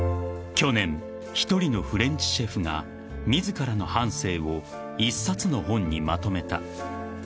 ［去年１人のフレンチシェフが自らの半生を１冊の本にまとめた］